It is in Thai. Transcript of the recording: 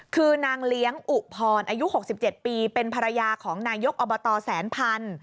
คือนางเลี้ยงอุพรอายุ๖๗ปีเป็นภรรยาของนายกอบตแสนพันธุ